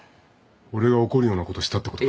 俺が怒るようなことしたってことか。